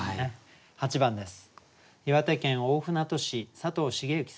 ８番です。